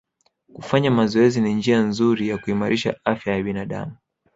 Kufanya mazoezi ni njia nzuri ya kuimarisha afya ya binadamu